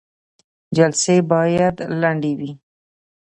جلسې باید لنډې وي